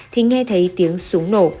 thì nghe thấy tiếng súng nổ